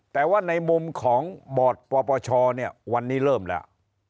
แต่ว่าในมุมของบปชวันนี้เริ่มแล้ว